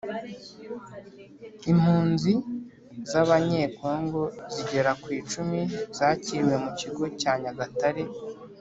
Impunzi z Abanyekongo zigera kwicumi zakiriwe mu Kigo cya Nyagatare